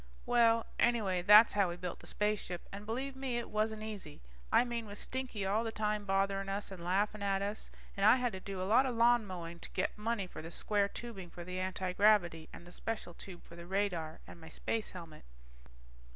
Well, anyway, that's how we built the spaceship, and believe me, it wasn't easy. I mean with Stinky all the time bothering us and laughing at us. And I had to do a lot of lawn mowing to get money for the square tubing for the antigravity and the special tube for the radar, and my space helmet.